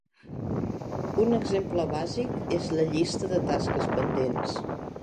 Un exemple bàsic és la llista de tasques pendents.